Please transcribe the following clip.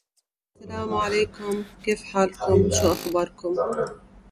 Over the following weeks, Collyer faced each of the claimants.